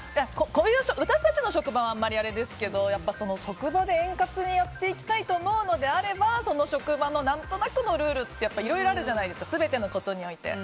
こういう私たちの職場はあまりあれですけど職場で円滑にやっていきたいと思うならその職場の何となくのルールっていろいろあるじゃないですか全てのことにおいて。